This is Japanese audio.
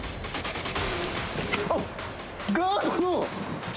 あっ。